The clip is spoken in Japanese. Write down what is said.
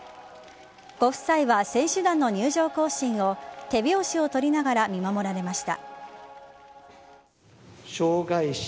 ご夫妻は選手団の入場行進を手拍子を取りながら見守られました。